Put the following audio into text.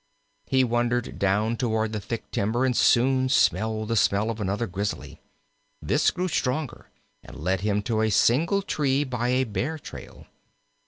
He wandered down toward the thick timber, and soon smelled the smell of another Grizzly. This grew stronger and led him to a single tree by a Bear trail.